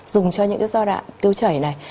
dùng cho những cái giai đoạn tiêu chảy này